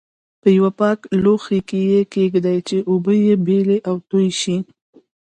په یوه پاک لوښي کې یې کېږدئ چې اوبه یې بېلې او توی شي.